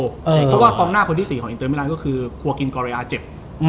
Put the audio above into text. เพราะว่ากล้องหน้าคนที่สี่ของอินเตอร์ไม่ร้านก็คือควอกินกอเรอาเจ็บ